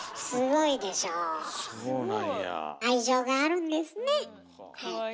愛情があるんですね。